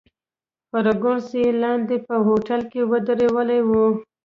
فرګوسن یې لاندې په هوټل کې ودرولې وه.